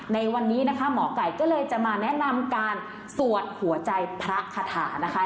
ในวันนี้นะคะหมอไก่ก็เลยจะมาแนะนำการสวดหัวใจพระคาถานะคะ